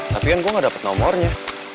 tapi kan gue nggak dapet nomornya